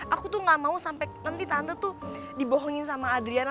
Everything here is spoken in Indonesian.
aku tuh gak mau sampai nanti tante tuh dibohongin sama adriana